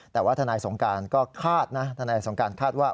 แต่ว่าทนายสงการก็คาดนะทนายสงการคาดว่า